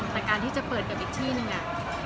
แต่การที่จะเปิดกับอีกที่นึง